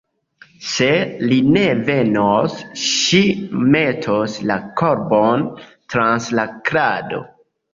Se li ne venos, ŝi metos la korbon trans la krado.